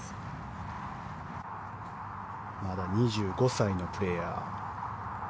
まだ２５歳のプレーヤー。